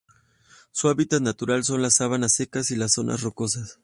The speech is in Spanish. Su hábitat natural son las sabanas secas y las zonas rocosas.